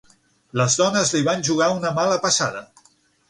Les dones li van jugar una mala passada.